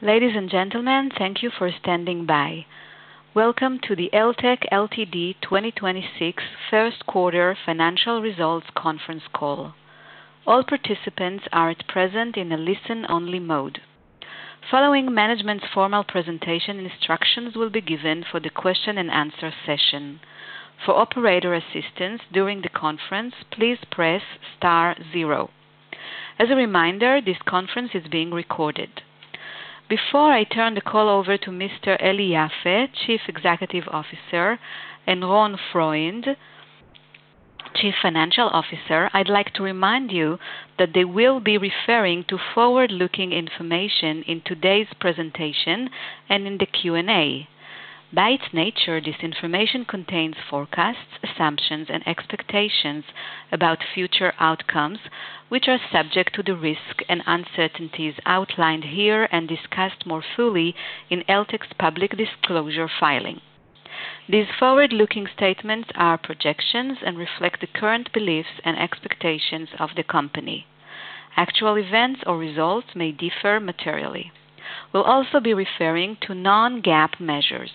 Ladies and gentlemen, thank you for standing by. Welcome to the Eltek Ltd. 2026 first quarter financial results conference call. All participants are at present in a listen-only mode. Following management's formal presentation, instructions will be given for the question and answer session. For operator assistance during the conference, please press star zero. As a reminder, this conference is being recorded. Before I turn the call over to Mr. Eli Yaffe, Chief Executive Officer, and Ron Freund, Chief Financial Officer, I'd like to remind you that they will be referring to forward-looking information in today's presentation and in the Q&A. By its nature, this information contains forecasts, assumptions, and expectations about future outcomes, which are subject to the risks and uncertainties outlined here and discussed more fully in Eltek's public disclosure filing. These forward-looking statements are projections and reflect the current beliefs and expectations of the company. Actual events or results may differ materially. We'll also be referring to non-GAAP measures.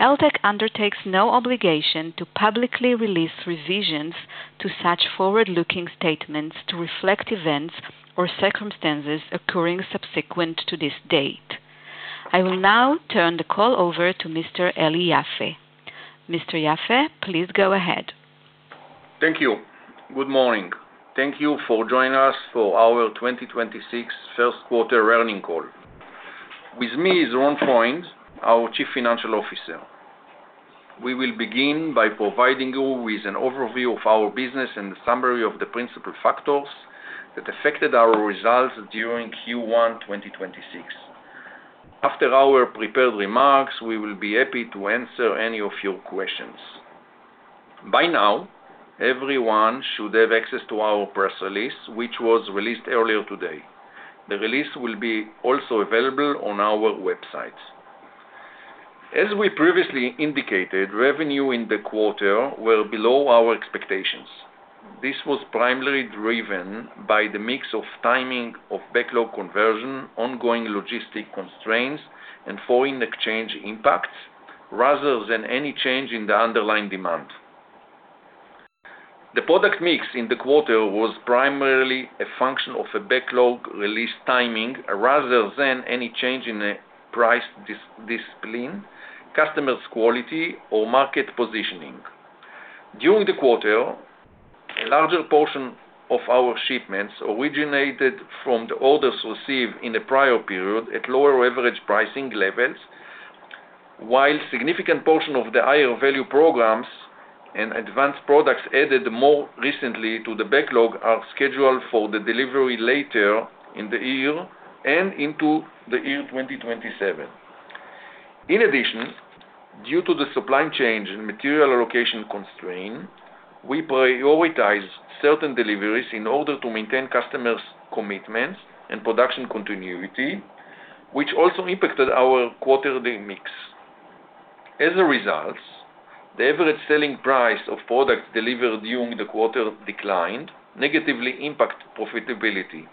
Eltek undertakes no obligation to publicly release revisions to such forward-looking statements to reflect events or circumstances occurring subsequent to this date. I will now turn the call over to Mr. Eli Yaffe. Mr. Yaffe, please go ahead. Thank you. Good morning. Thank you for joining us for our 2026 first quarter earnings call. With me is Ron Freund, our Chief Financial Officer. We will begin by providing you with an overview of our business and the summary of the principal factors that affected our results during Q1 2026. After our prepared remarks, we will be happy to answer any of your questions. By now, everyone should have access to our press release, which was released earlier today. The release will be also available on our website. As we previously indicated, revenue in the quarter were below our expectations. This was primarily driven by the mix of timing of backlog conversion, ongoing logistic constraints, and foreign exchange impacts, rather than any change in the underlying demand. The product mix in the quarter was primarily a function of a backlog release timing, rather than any change in the price discipline, customer's quality, or market positioning. During the quarter, a larger portion of our shipments originated from the orders received in the prior period at lower average pricing levels, while significant portion of the higher value programs and advanced products added more recently to the backlog are scheduled for the delivery later in the year and into the year 2027. In addition, due to the supply chain and material allocation constraint, we prioritized certain deliveries in order to maintain customers' commitments and production continuity, which also impacted our quarterly mix. As a result, the average selling price of products delivered during the quarter declined, negatively impact profitability.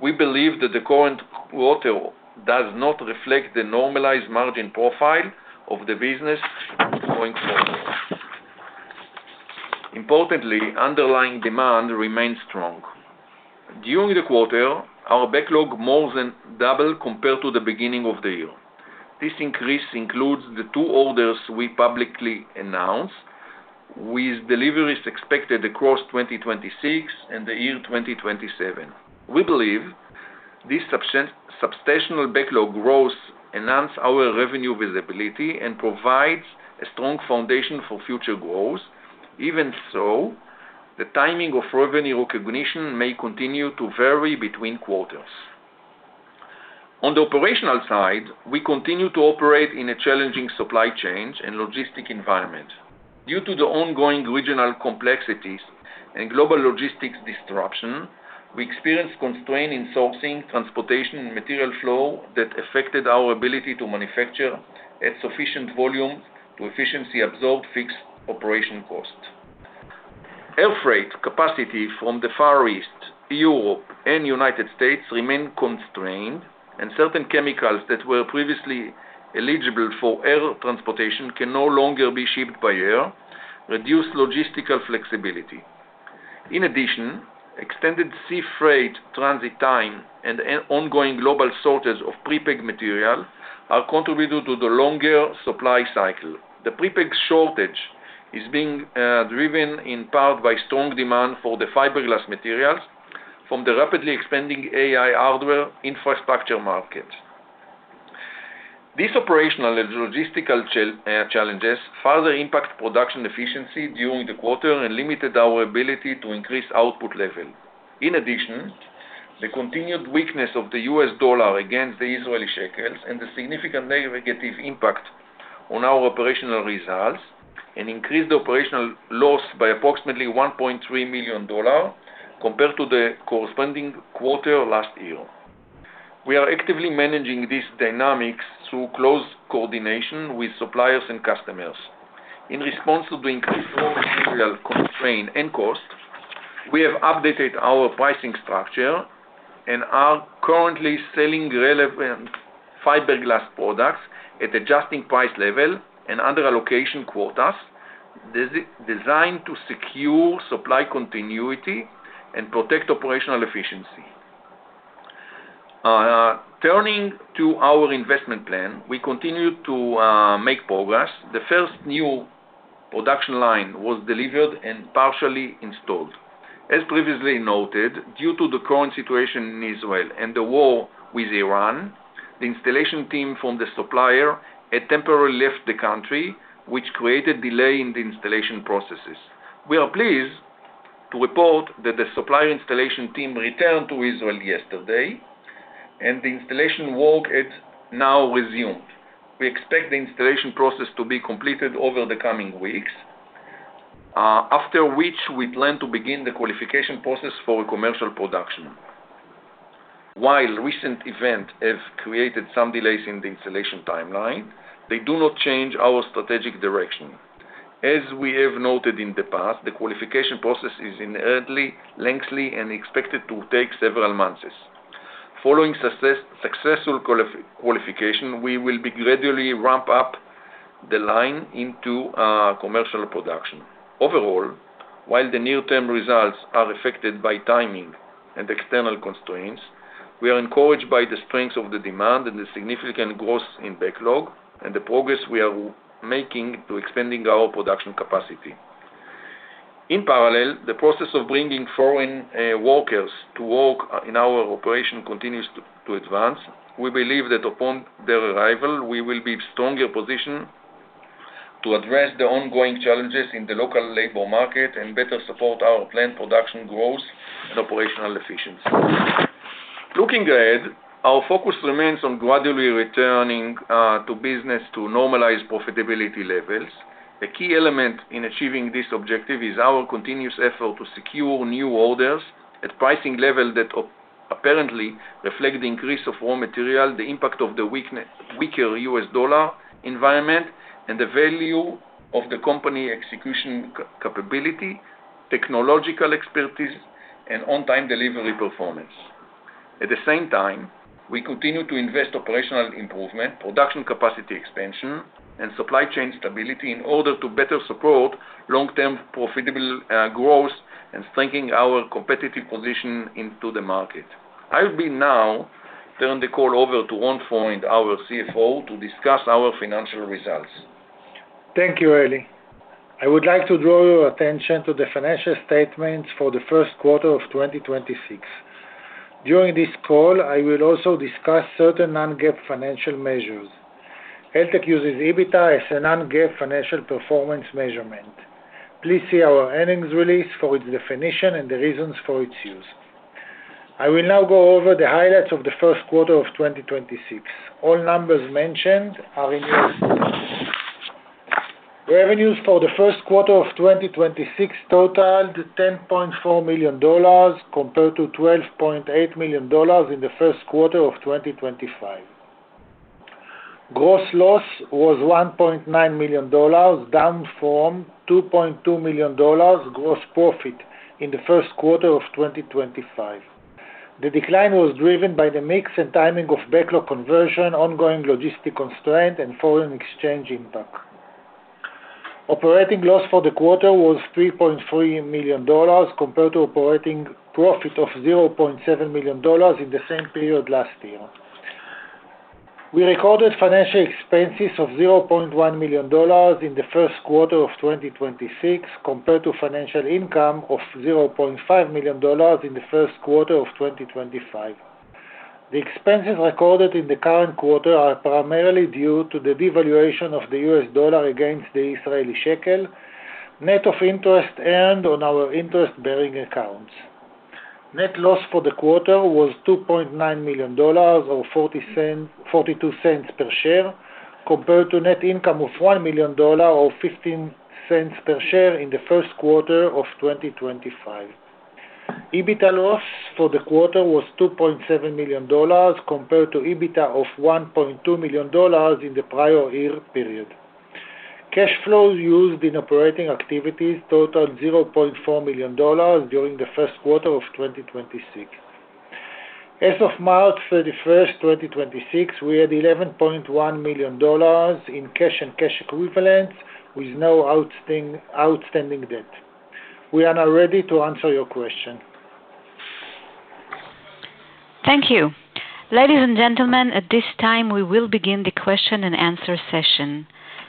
We believe that the current quarter does not reflect the normalized margin profile of the business going forward. Importantly, underlying demand remains strong. During the quarter, our backlog more than doubled compared to the beginning of the year. This increase includes the two orders we publicly announced, with deliveries expected across 2026 and the year 2027. We believe this substantial backlog growth enhance our revenue visibility and provides a strong foundation for future growth. Even so, the timing of revenue recognition may continue to vary between quarters. On the operational side, we continue to operate in a challenging supply chain and logistic environment. Due to the ongoing regional complexities and global logistics disruption, we experienced constraint in sourcing, transportation, and material flow that affected our ability to manufacture at sufficient volume to efficiently absorb fixed operation cost. Air freight capacity from the Far East, Europe, and U.S. remain constrained, and certain chemicals that were previously eligible for air transportation can no longer be shipped by air, reduce logistical flexibility. Extended sea freight transit time and ongoing global shortage of prepreg material are contributed to the longer supply cycle. The prepreg shortage is being driven in part by strong demand for the fiberglass materials from the rapidly expanding AI hardware infrastructure market. These operational and logistical challenges further impact production efficiency during the quarter and limited our ability to increase output level. The continued weakness of the US dollar against the Israeli shekels had a significant negative impact on our operational results and increased the operational loss by approximately $1.3 million compared to the corresponding quarter last year. We are actively managing these dynamics through close coordination with suppliers and customers. In response to the increased raw material constraint and cost, we have updated our pricing structure and are currently selling relevant fiberglass products at adjusting price level and under allocation quotas, designed to secure supply continuity and protect operational efficiency. Turning to our investment plan, we continue to make progress. The first new production line was delivered and partially installed. As previously noted, due to the current situation in Israel and the war with Iran, the installation team from the supplier had temporarily left the country, which created delay in the installation processes. We are pleased to report that the supplier installation team returned to Israel yesterday, and the installation work had now resumed. We expect the installation process to be completed over the coming weeks, after which we plan to begin the qualification process for commercial production. While recent events have created some delays in the installation timeline, they do not change our strategic direction. As we have noted in the past, the qualification process is inherently lengthy and expected to take several months. Following successful qualification, we will be gradually ramp up the line into commercial production. Overall, while the near-term results are affected by timing and external constraints, we are encouraged by the strength of the demand and the significant growth in backlog and the progress we are making to expanding our production capacity. In parallel, the process of bringing foreign workers to work in our operation continues to advance. We believe that upon their arrival, we will be stronger positioned to address the ongoing challenges in the local labor market and better support our planned production growth and operational efficiency. Looking ahead, our focus remains on gradually returning to business to normalize profitability levels. A key element in achieving this objective is our continuous effort to secure new orders at pricing level that apparently reflect the increase of raw material, the impact of the weaker US dollar environment, and the value of the company execution capability, technological expertise, and on-time delivery performance. At the same time, we continue to invest operational improvement, production capacity expansion, and supply chain stability in order to better support long-term profitable growth and strengthening our competitive position into the market. I'll be now turn the call over to Ron Freund, our CFO, to discuss our financial results. Thank you, Eli. I would like to draw your attention to the financial statements for the first quarter of 2026. During this call, I will also discuss certain non-GAAP financial measures. Eltek uses EBITDA as a non-GAAP financial performance measurement. Please see our earnings release for its definition and the reasons for its use. I will now go over the highlights of the first quarter of 2026. All numbers mentioned are in US dollars. Revenues for the first quarter of 2026 totaled $10.4 million compared to $12.8 million in the first quarter of 2025. Gross loss was $1.9 million, down from $2.2 million gross profit in the first quarter of 2025. The decline was driven by the mix and timing of backlog conversion, ongoing logistics constraint, and foreign exchange impact. Operating loss for the quarter was $3.3 million compared to operating profit of $0.7 million in the same period last year. We recorded financial expenses of $0.1 million in the first quarter of 2026 compared to financial income of $0.5 million in the first quarter of 2025. The expenses recorded in the current quarter are primarily due to the devaluation of the US dollar against the Israeli shekel, net of interest earned on our interest-bearing accounts. Net loss for the quarter was $2.9 million or $0.42 per share, compared to net income of $1 million or $0.15 per share in the first quarter of 2025. EBITDA loss for the quarter was $2.7 million compared to EBITDA of $1.2 million in the prior year period. Cash flows used in operating activities totaled $0.4 million during the first quarter of 2026. As of March 31, 2026, we had $11.1 million in cash and cash equivalents with no outstanding debt. We are now ready to answer your question. Thank you. Ladies and gentlemen, at this time, we will begin the question and answer session.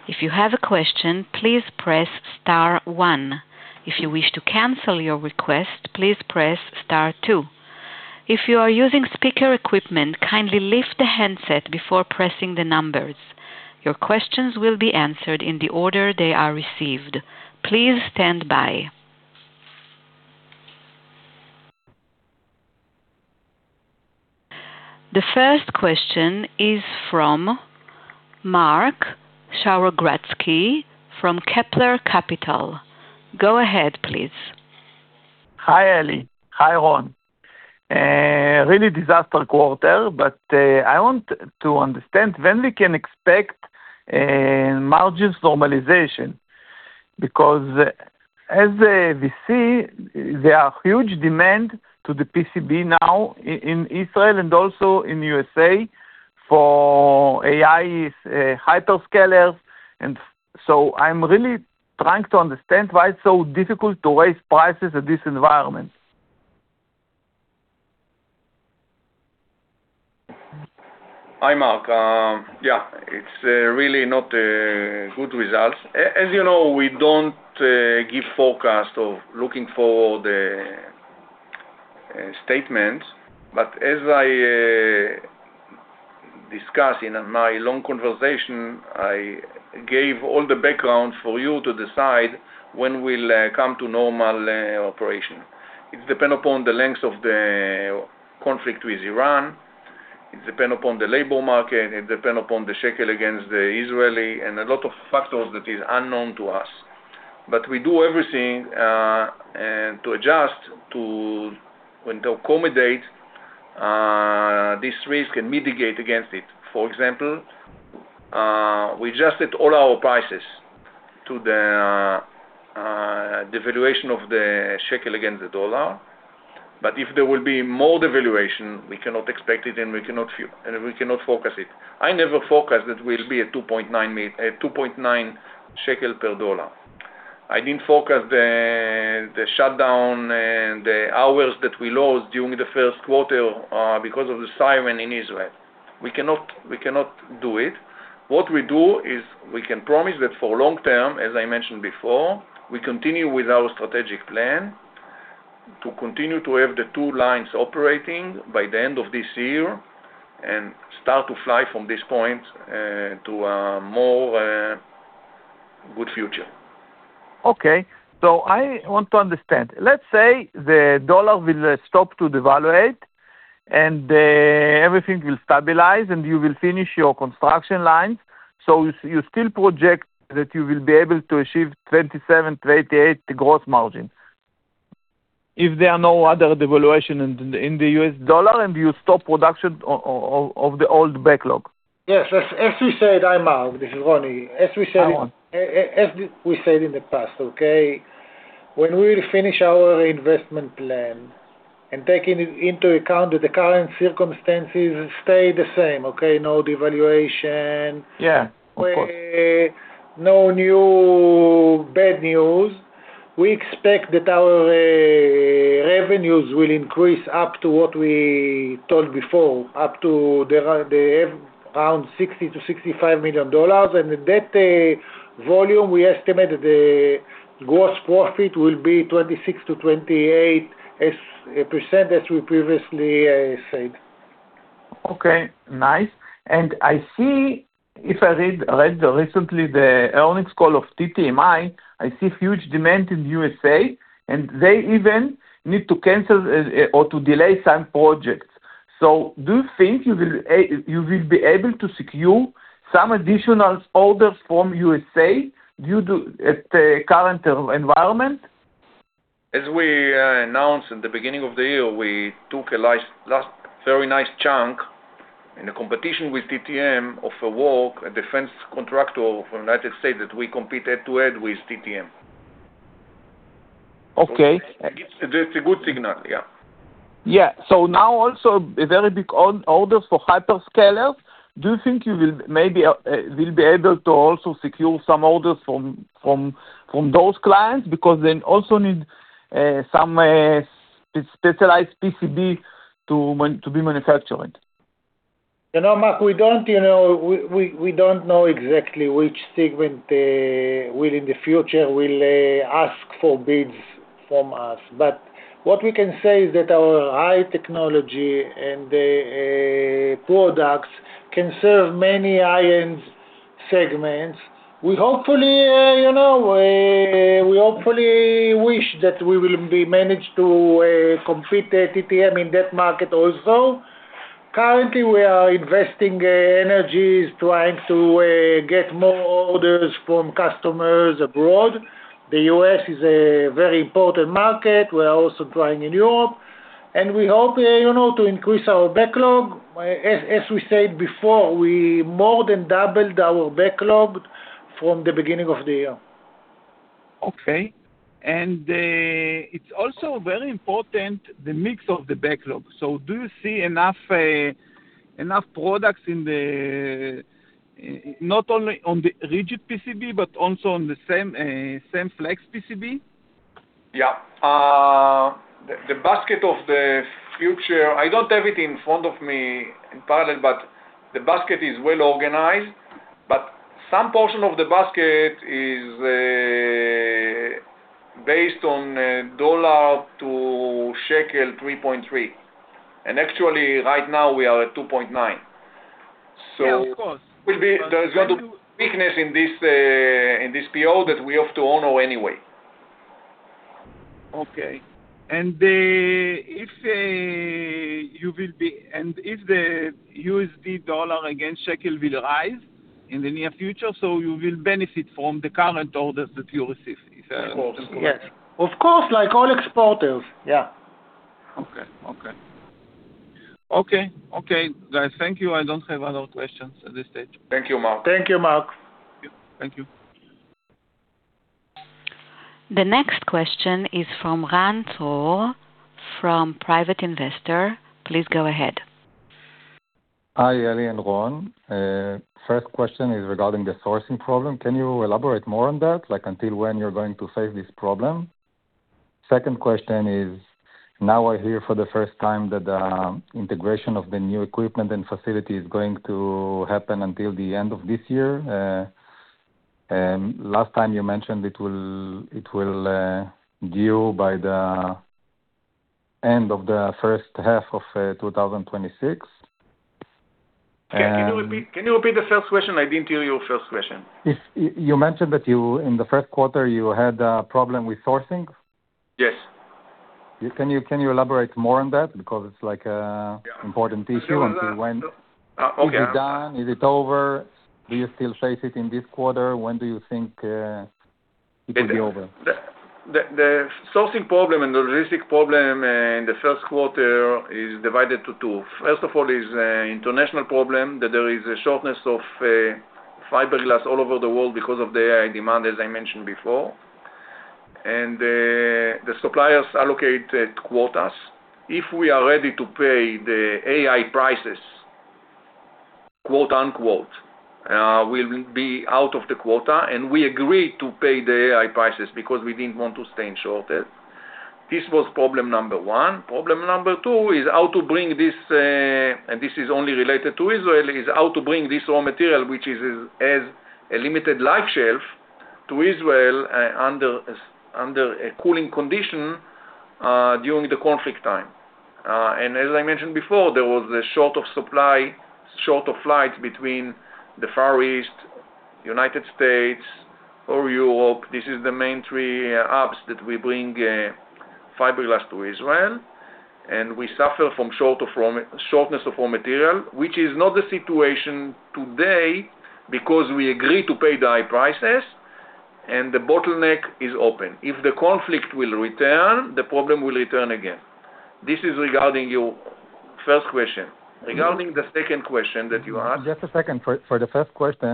If you have a question, please press star one. If you wish to cancel your request, please press star two. If you are using speaker equipment, kindly lift the handset before pressing the numbers. Your questions will be answered in the order they are received. Please stand by. The first question is from Mark Sharogradsky from Kepler Capital. Go ahead, please. Hi, Eli. Hi, Ron. Really disaster quarter, I want to understand when we can expect margins normalization. As we see, there are huge demand to the PCB now in Israel and also in the U.S. for AI hyperscalers. I'm really trying to understand why it's so difficult to raise prices at this environment. Hi, Mark. Yeah, it's really not a good results. As you know, we don't give forecast of looking for the statement, but as I discuss in my long conversation, I gave all the background for you to decide when we'll come to normal operation. It depend upon the length of the conflict with Iran. It depend upon the labor market. It depend upon the shekel against the Israeli and a lot of factors that is unknown to us. We do everything and to adjust to, and to accommodate this risk and mitigate against it. For example, we adjusted all our prices to the devaluation of the shekel against the US dollar. If there will be more devaluation, we cannot expect it and we cannot forecast it. I never forecast that we'll be at 2.9 shekel per US dollar. I didn't forecast the shutdown and the hours that we lost during the first quarter because of the siren in Israel. We cannot do it. What we do is we can promise that for long term, as I mentioned before, we continue with our strategic plan to continue to have the two lines operating by the end of this year and start to fly from this point to a more good future. Okay. I want to understand. Let's say the dollar will stop to devalue and everything will stabilize, and you will finish your construction lines. You still project that you will be able to achieve 27%-28% gross margin? If there are no other devaluation in the US dollar and you stop production of the old backlog. Yes. As we said Hi, Mark. This is Ron. Hello. As we said in the past, okay? When we'll finish our investment plan and taking into account that the current circumstances stay the same, okay? No devaluation. Yeah. Of course. No new bad news. We expect that our revenues will increase up to what we told before, up to the around $60 million-$65 million. That volume, we estimate the gross profit will be 26%-28% as we previously said. Okay. Nice. I see if I read recently the earnings call of TTM, I see huge demand in USA, and they even need to cancel or to delay some projects. Do you think you will be able to secure some additional orders from USA due to, at the current environment? As we announced at the beginning of the year, we took last very nice chunk in a competition with TTM of a work, a defense contractor from United States that we compete head-to-head with TTM. Okay. It's a good signal. Yeah. Yeah. Now also a very big order for hyperscalers. Do you think you will maybe be able to also secure some orders from those clients? Because they also need some specialized PCB to be manufactured. You know, Mark, we don't know exactly which segment will in the future ask for bids from us. What we can say is that our high technology and the products can serve many high-end segments. We hopefully, you know, we hopefully wish that we will be managed to compete TTM in that market also. Currently, we are investing energies trying to get more orders from customers abroad. The U.S. is a very important market. We are also trying in Europe, we hope, you know, to increase our backlog. As we said before, we more than doubled our backlog from the beginning of the year. Okay. It's also very important the mix of the backlog. Do you see enough products in the not only on the rigid PCB, but also on the semi-flex PCB? Yeah. The basket of the future, I don't have it in front of me in parallel, but the basket is well-organized, but some portion of the basket is based on US dollar to shekel 3.3. Actually, right now we are at 2.9. Yeah, of course. Will be, there's going to be weakness in this, in this PO that we have to honor anyway. Okay. If the US dollar against shekel will rise in the near future, you will benefit from the current orders that you receive. Yes. Of course, like all exporters. Yeah. Okay. Okay. Okay. Okay, guys, thank you. I don't have other questions at this stage. Thank you, Mark. Thank you, Mark. Thank you. The next question is from Ran Tzur, from Private Investor. Please go ahead. Hi, Eli and Ron. First question is regarding the sourcing problem. Can you elaborate more on that? Until when you're going to solve this problem? Second question is, now I hear for the first time that the integration of the new equipment and facility is going to happen until the end of this year. Last time you mentioned it will due by the end of the first half of 2026. Can you repeat the first question? I didn't hear your first question. You mentioned in the first quarter, you had a problem with sourcing. Yes. Can you elaborate more on that? Yeah. Important issue. I do understand. Until when? Okay. Is it done? Is it over? Do you still face it in this quarter? When do you think it will be over? The sourcing problem and the logistic problem in the first quarter is divided to two. First of all is an international problem, that there is a shortness of fiberglass all over the world because of the AI demand, as I mentioned before. The suppliers allocated quotas. If we are ready to pay the AI prices, quote-unquote, we'll be out of the quota, and we agreed to pay the AI prices because we didn't want to stay in shortage. This was problem number one. Problem number two is how to bring this, and this is only related to Israel, is how to bring this raw material, which is as a limited shelf life, to Israel, under a cooling condition, during the conflict time. As I mentioned before, there was a short of supply, short of flights between the Far East, United States, or Europe. This is the main three hubs that we bring fiberglass to Israel, and we suffer from shortness of raw material, which is not the situation today because we agreed to pay the high prices and the bottleneck is open. If the conflict will return, the problem will return again. This is regarding your first question. Regarding the second question that you asked- Just a second. For the first question,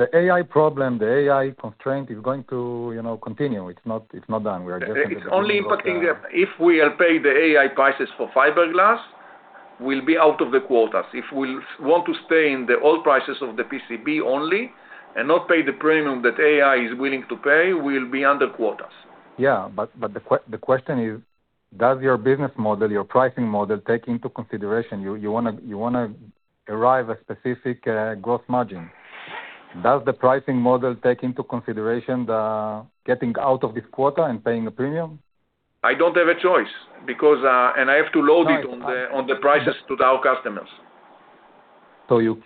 the AI problem, the AI constraint is going to, you know, continue. It's not done. It's only impacting if we are pay the AI prices for fiberglass, we'll be out of the quotas. If we want to stay in the old prices of the PCB only and not pay the premium that AI is willing to pay, we'll be under quotas. The question is, Does your business model, your pricing model, take into consideration you wanna arrive a specific gross margin? Does the pricing model take into consideration the getting out of this quota and paying a premium? I don't have a choice because. I- -on the prices to our customers.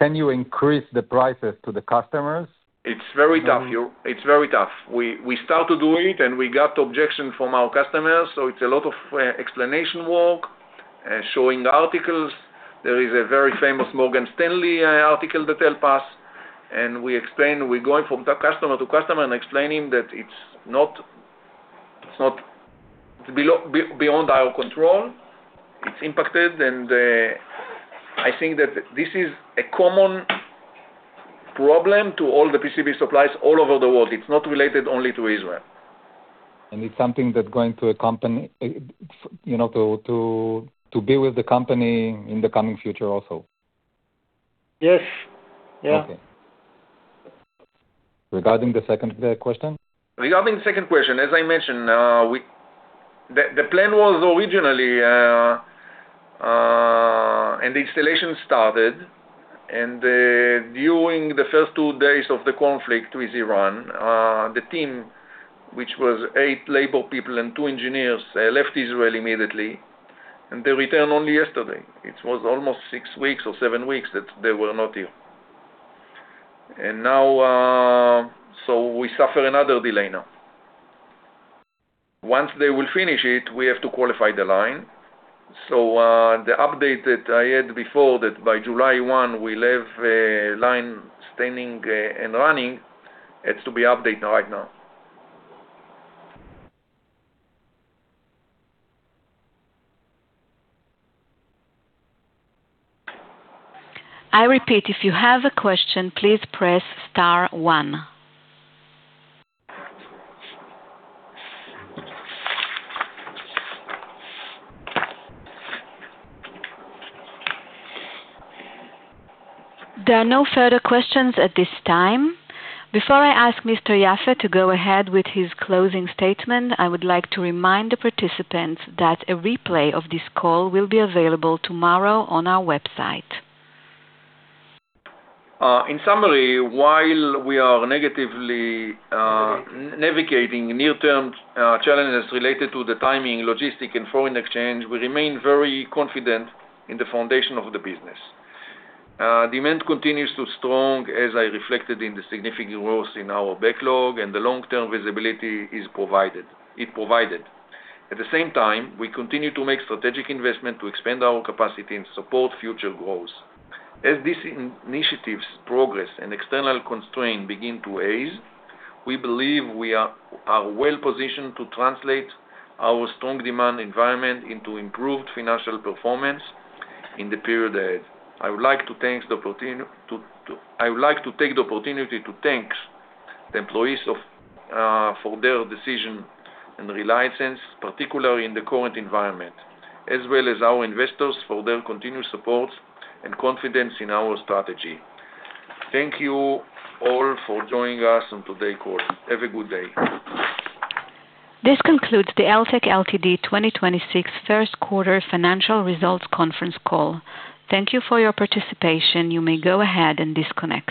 Can you increase the prices to the customers? It's very tough. It's very tough. We start to do it, and we got objection from our customers, so it's a lot of explanation work, showing articles. There is a very famous Morgan Stanley article that helped us, and we explain, we're going from customer to customer and explaining that it's not beyond our control. It's impacted, and I think that this is a common problem to all the PCB suppliers all over the world. It's not related only to Israel. It's something that's going to accompany, you know, to be with the company in the coming future also? Yes. Yeah. Okay. Regarding the second question? Regarding the second question, as I mentioned, the plan was originally, and the installation started. During the first two days of the conflict with Iran, the team, which was eight labor people and two engineers, left Israel immediately. They returned only yesterday. It was almost six weeks or seven weeks that they were not here. We suffer another delay now. Once they will finish it, we have to qualify the line. The update that I had before that by July 1, we'll have a line standing and running, it's to be updated right now. I repeat, if you have a question, please press star one. There are no further questions at this time. Before I ask Mr. Yaffe to go ahead with his closing statement, I would like to remind the participants that a replay of this call will be available tomorrow on our website. In summary, while we are negatively navigating near-term challenges related to the timing, logistics, and foreign exchange, we remain very confident in the foundation of the business. Demand continues to strong, as I reflected in the significant growth in our backlog, and the long-term visibility is provided, it provided. At the same time, we continue to make strategic investment to expand our capacity and support future growth. As these initiatives progress and external constraints begin to ease, we believe we are well-positioned to translate our strong demand environment into improved financial performance in the period ahead. I would like to take the opportunity to thank the employees of ,for their decision and reliance, particularly in the current environment, as well as our investors for their continued support and confidence in our strategy. Thank you all for joining us on today's call. Have a good day. This concludes the Eltek Ltd. 2026 first quarter financial results conference call. Thank you for your participation. You may go ahead and disconnect.